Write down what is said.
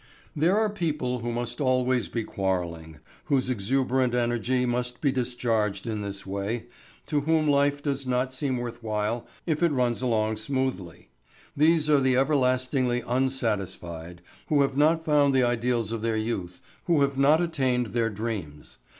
There are people who must always be quarrelling, whose exuberant energy must be discharged in this way, to whom life does not seem worth while if it runs along smoothly. These are the everlastingly unsatisfied who have not found the ideals of their youth, who have not attained their dreams.